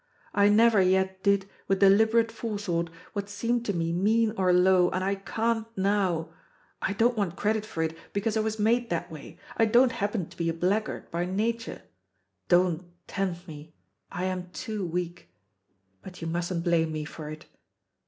I never yet did, with deliberate forethought, what seemed to me mean or low, and I can't now. I don't want credit for it, because I was made that way; I don't happen to be a blackguard by nature. Don't tempt me I am too weak. But you mustn't blame me for it.